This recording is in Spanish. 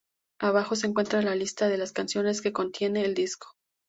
Abajo se encuentra la lista de las canciones que contiene el disco.